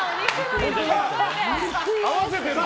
合わせてる！